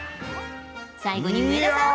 最後に上田さん。